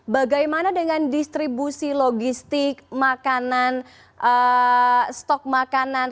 bagaimana dengan distribusi logistik makanan stok makanan